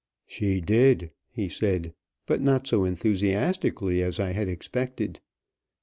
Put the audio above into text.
"She did," he said, but not so enthusiastically as I had expected.